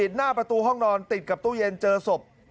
หน้าประตูห้องนอนติดกับตู้เย็นเจอศพ